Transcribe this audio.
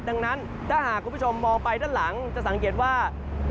ดังนั้นถ้าหากคุณผู้ชมมองไปด้านหลังจะสังเกตว่า